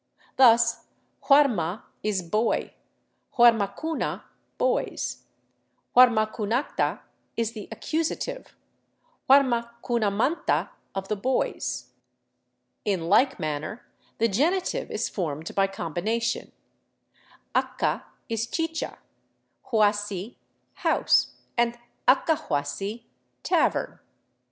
Thus huarma is boy, huarmacuna, boys ; huarmacunacta is the accusa tive, huarmacimamanta, of the boys. In like manner the genitive is formed by combination; acca is chicha, huasi, house, and accahuasi, tavern.